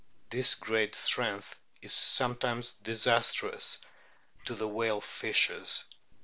This great strength is sometimes disastrous to the whale fishers.